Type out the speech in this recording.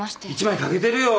１枚かけてるよ！？